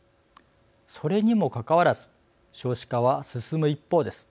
それにもかかわらず少子化は進む一方です。